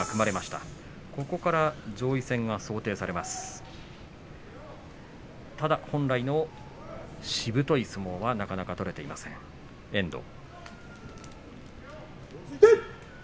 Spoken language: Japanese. ただ本来のしぶとい相撲はなかなか取れていません、遠藤。